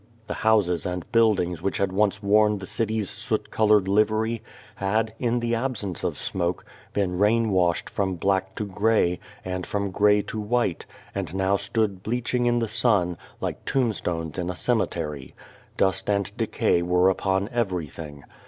The houses and buildings which had once worn the city's soot coloured livery, had, in the absence of smoke, been rain washed from black to grey, and from grey to white, and now stood bleaching in the sun, like tombstones in a cemetery. Dust and decay were upon everything.